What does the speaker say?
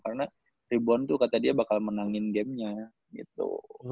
karena rebound tuh kata dia bakal menangin gamenya gitu